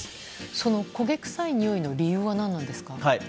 その焦げ臭いにおいの理由は何なんですか？